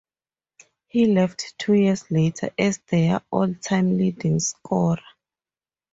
He left two years later, as their all-time leading scorer.